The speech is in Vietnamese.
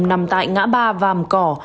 nằm tại ngã ba vàm cỏ